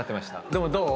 でもどう？